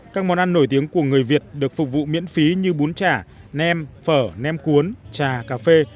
các món ăn nổi tiếng của người việt được phục vụ miễn phí như bún chả nem phở nem cuốn trà cà phê